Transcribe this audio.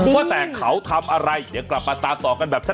ว่าแต่เขาทำอะไรเดี๋ยวกลับมาตามต่อกันแบบชัด